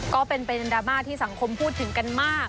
ก็เป็นประเด็นดราม่าที่สังคมพูดถึงกันมาก